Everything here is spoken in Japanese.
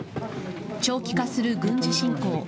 長期化する軍事侵攻。